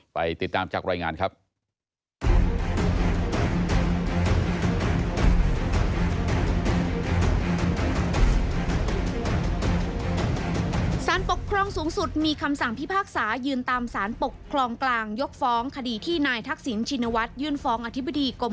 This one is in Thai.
ไปติดตามจากรายงานครับ